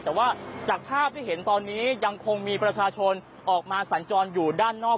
แต่ว่าจากภาพที่เห็นตอนนี้ยังคงมีประชาชนออกมาสัญจรอยู่ด้านนอก